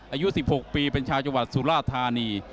อายุ๑๖ปีเป็นชาวจังหวัดสุราธานี